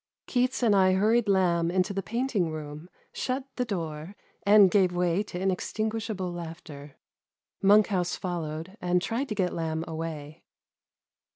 Keats and I hurried Lairrh into the painting room, shut the door, and gave way to inextinguishable laughter. Monkhouse followed, and tried to get Lamb away.